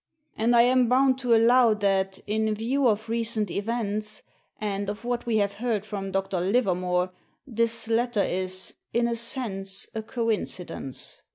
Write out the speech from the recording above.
And I am bound to allow that, in view of recent events, and of what we have heard from Doctor Livermore, this letter is, in a sense, a coincidence.